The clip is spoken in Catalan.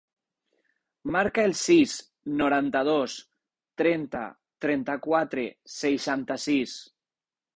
Marca el sis, noranta-dos, trenta, trenta-quatre, seixanta-sis.